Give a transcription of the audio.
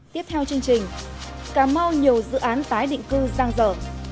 tiếp theo chương trình cà mau nhiều dự án tái định cư giang dở